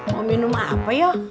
mau minum apa yuk